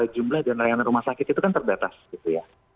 jumlah dan layanan rumah sakit itu kan terbatas gitu ya